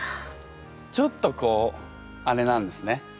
ちょっとこうあれなんですね。